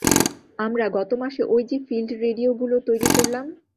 আমরা গত মাসে ঐযে ফিল্ড রেডিওগুলো তৈরি করলাম?